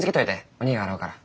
おにぃが洗うから。